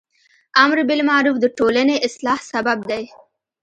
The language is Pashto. امر بالمعروف د ټولنی اصلاح سبب دی.